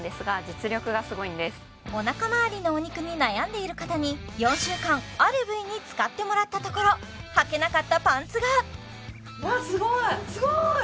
おなかまわりのお肉に悩んでいる方に４週間ある部位に使ってもらったところはけなかったパンツがわーすごーいすごーい！